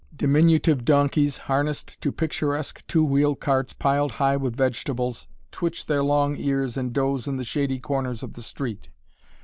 Diminutive donkeys, harnessed to picturesque two wheeled carts piled high with vegetables, twitch their long ears and doze in the shady corners of the street.